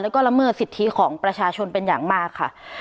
แล้วก็ละเมิดสิทธิของประชาชนเป็นอย่างมากค่ะ